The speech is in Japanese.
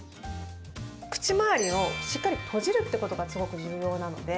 口周りを、しっかり閉じるってことが、すごく重要なので。